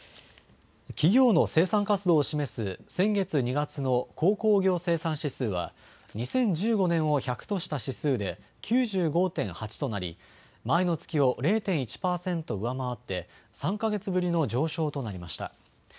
企業の生産活動を示す先月２月の鉱工業生産指数は２０１５年を１００とした指数で９５．８となり前の月を０．１％上回って３か月ぶりの上昇となりました。